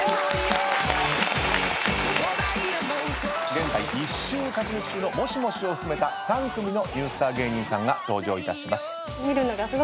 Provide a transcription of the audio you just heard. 現在１週勝ち抜き中のモシモシを含めた３組のニュースター芸人さんが登場いたします。